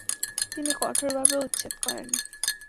তিনি কঠোরভাবে উচ্ছেদ করেন।